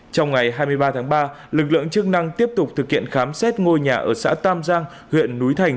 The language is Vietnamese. trong ngày hai mươi ba tháng ba lực lượng chức năng tiếp tục thực hiện khám xét ngôi nhà ở xã tam giang huyện núi thành